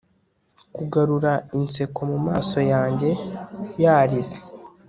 kugarura inseko mumaso yanjye yarize